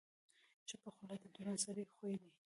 چپه خوله، د دروند سړي خوی دی.